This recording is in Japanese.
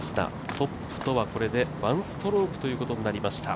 トップとはこれで１ストロークということになりました。